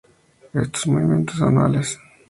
Estos son movimientos anuales.